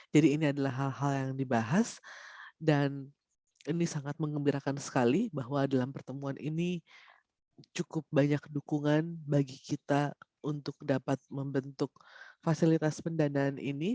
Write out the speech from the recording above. jadi ini adalah hal hal yang dibahas dan ini sangat mengembirakan sekali bahwa dalam pertemuan ini cukup banyak dukungan bagi kita untuk dapat membentuk fasilitas pendanaan ini